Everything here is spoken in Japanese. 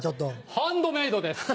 ハンドメイドです。